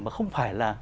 mà không phải là